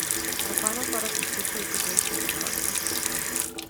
A final product of citrate degradation is carbon.